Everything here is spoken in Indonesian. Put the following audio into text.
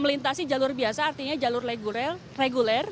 melintasi jalur biasa artinya jalur reguler